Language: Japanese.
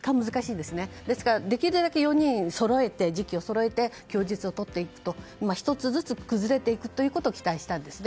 ですからできるだけ４人の時期をそろえて供述をとっていって１つずつ崩れていくことが期待したいですね。